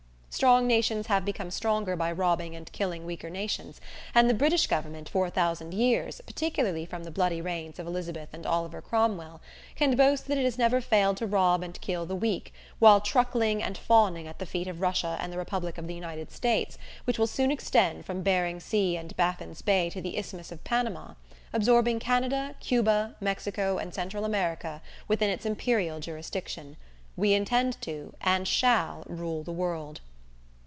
Strong nations have become stronger by robbing and killing weaker nations, and the British Government for a thousand years particularly from the bloody reigns of Elizabeth and Oliver Cromwell can boast that it has never failed to rob and kill the weak, while truckling and fawning at the feet of Russia and the Republic of the United States, which will soon extend from Bering Sea and Baffin's Bay to the Isthmus of Panama absorbing Canada, Cuba, Mexico and Central America within its imperial jurisdiction. We intend to, and shall rule the world!